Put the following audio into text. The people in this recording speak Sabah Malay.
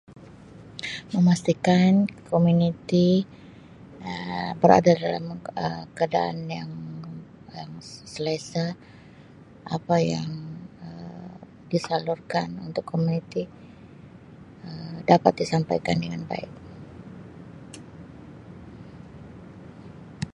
Memastikan komuniti Um berada dalam Um keadaan yang selesa apa yang Um disalurkan untuk komuniti Um dapat disampaikan dengan baik.